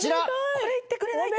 これ行ってくれないと。